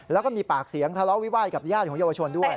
แล้วก็มีปากเสียงทะเลาะวิวาสกับญาติของเยาวชนด้วย